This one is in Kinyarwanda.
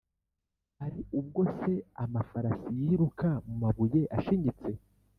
hari ubwo se amafarasi yiruka mu mabuye ashinyitse ?